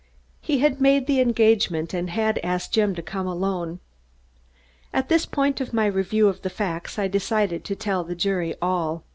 He had made the engagement and had asked Jim to come alone. At this point of my review of the facts I decided to tell the jury all.